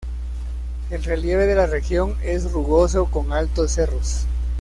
El relieve de la región es rugoso con altos cerros.